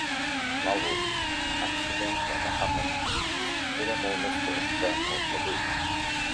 L'àlbum "Accidents Never Happen" era molt més fosc que "Oslo Beat".